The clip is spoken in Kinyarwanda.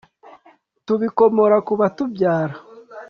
tubikomora ku batubyara